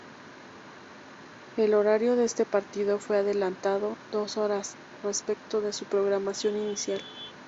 El horario de este partido fue adelantado dos horas respecto de su programación inicial.